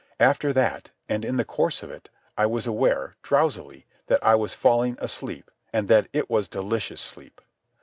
After that, and in the course of it, I was aware, drowsily, that I was falling asleep, and that it was delicious sleep.